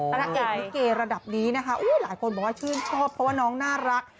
พระเอกลิเกระดับนี้นะคะหลายคนบอกว่าชื่นชอบเพราะว่าน้องน่ารัก